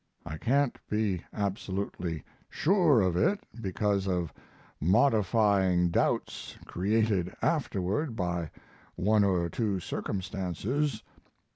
I can't be absolutely sure of it because of modifying doubts created afterward by one or two circumstances.